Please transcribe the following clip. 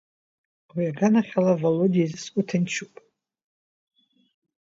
Уи аганахьала Володиа изы сгәы ҭынчуп.